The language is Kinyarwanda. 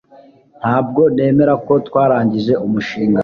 Ntabwo nemera ko twarangije umushinga